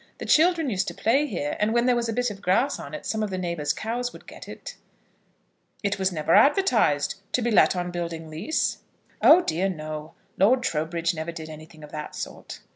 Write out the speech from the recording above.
"The children used to play here, and when there was a bit of grass on it some of the neighbours' cows would get it." "It was never advertised to be let on building lease?" "Oh dear no! Lord Trowbridge never did anything of that sort."